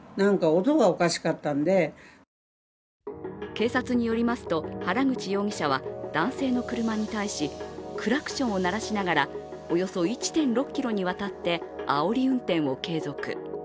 警察によりますと、原口容疑者は男性の車に対しクラクションを鳴らしながら、およそ１．６ｋｍにわたってあおり運転を継続。